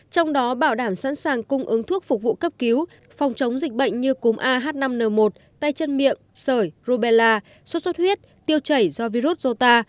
trong đó bảo đảm sẵn sàng cung ứng thuốc phục vụ cấp cứu phòng chống dịch bệnh như cúm ah năm n một tay chân miệng sởi rubella sốt xuất huyết tiêu chảy do virus zota